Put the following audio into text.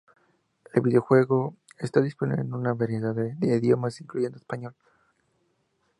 El videojuego está disponible en una variedad de idiomas, incluyendo Español.